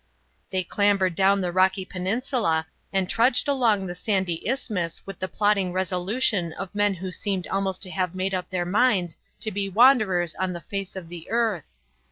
They clambered down the rocky peninsula and trudged along the sandy isthmus with the plodding resolution of men who seemed almost to have made up their minds to be wanderers on the face of the earth.